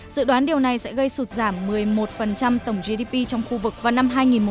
dự đoán điều này sẽ gây sụt giảm một mươi một tổng gdp trong khu vực vào năm hai nghìn một mươi